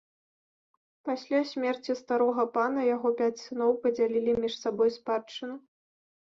Пасля смерці старога пана яго пяць сыноў падзялілі між сабой спадчыну.